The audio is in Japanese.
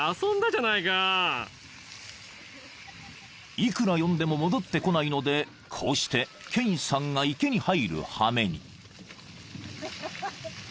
［いくら呼んでも戻ってこないのでこうしてケインさんが池に入る羽目に］